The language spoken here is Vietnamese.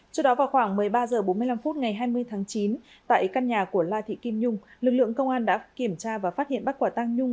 trước đó vào khoảng một mươi ba h bốn mươi năm phút ngày hai mươi tháng chín tại căn nhà của la thị kim nhung lực lượng công an đã kiểm tra và phát hiện bắt quả tăng nhung